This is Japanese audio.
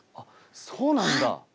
そうなんだ。